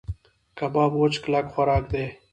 کباب وچ کلک خوراک دی.